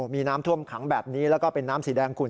มีน้ำท่วมขังแบบนี้แล้วก็เป็นน้ำสีแดงคุณ